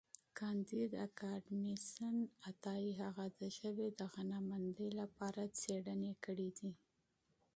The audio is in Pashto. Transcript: کانديد اکاډميسن عطايي هغه د ژبې د غنامندۍ لپاره تحقیقات کړي دي.